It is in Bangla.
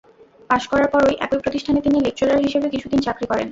পাস করার পরই একই প্রতিষ্ঠানে তিনি লেকচারার হিসেবে কিছুদিন চাকরি করেন।